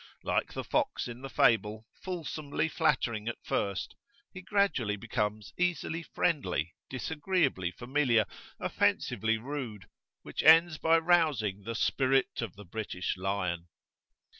Like the fox in the fable, fulsomely flattering at first, he gradually becomes easily friendly, disagreeably familiar, offensively rude, which ends by rousing the "spirit of the British lion."